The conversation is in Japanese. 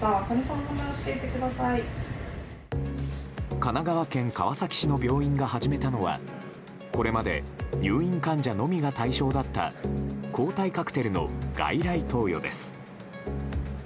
神奈川県川崎市の病院が始めたのはこれまで入院患者のみが対象だった抗体カクテルの外来投与です。